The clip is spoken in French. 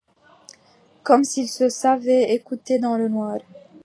Comme s’il se savait écouté dans le noir.